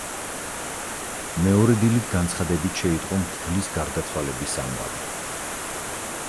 მეორე დილით განცხადებით შეიტყო მღვდლის გარდაცვალების ამბავი.